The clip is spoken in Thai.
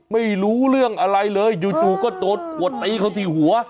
ไม่รู้เรื่องอะไรเลยจู่ก็โดนขวดตีเขาที่หัว